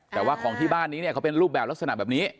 แต่ว่าของที่บ้านนี้เนี่ยเขาเป็นรูปแบบลักษณะแบบนี้